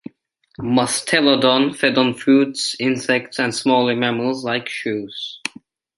"Mustelodon" fed on fruits, insects and smaller mammals like shrews.